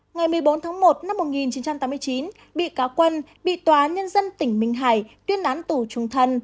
ngày một mươi bốn tháng một năm một nghìn chín trăm tám mươi chín bị cáo quân bị tòa nhân dân tỉnh bình hải tuyên án tù trung thân